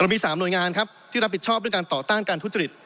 มี๓หน่วยงานครับที่รับผิดชอบด้วยการต่อต้านการทุจริต